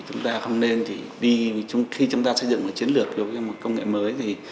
chúng ta không nên đi khi chúng ta xây dựng một chiến lược một công nghệ mới